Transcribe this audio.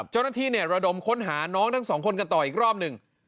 เจ้าหน้าที่ระดมค้นหาน้องทั้งสองคนกันต่ออีกรอบหนึ่ง